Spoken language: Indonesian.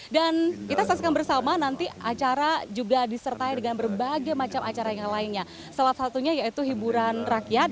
kita saksikan bersama nanti acara juga disertai dengan berbagai macam acara yang lainnya salah satunya yaitu hiburan rakyat